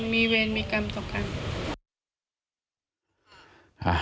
มีเวรมีกรรมสกรรม